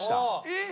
えっ！？